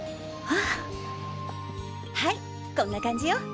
はいこんな感じよ。